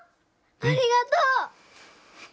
ありがとう。